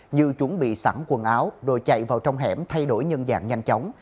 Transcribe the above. như chuẩn bị sẵn quần áo rồi chạy vào trong hẻm thay đổi nhân dạng nhanh chóng